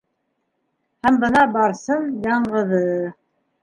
Һәм бына Барсын яңғыҙы.